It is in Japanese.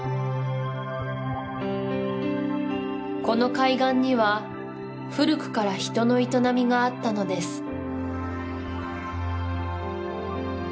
この海岸には古くから人の営みがあったのです